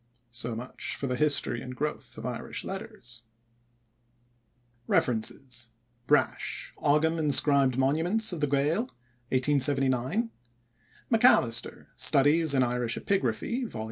So much for the history and growth of Irish letters. REFERENCES: Brash: Ogam inscribed Monuments of the Gaedhil (1879); MacAlister: Studies in Irish Epigraphy, vol.